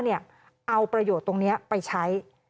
เอาประโยชน์ตรงนี้ไปใช้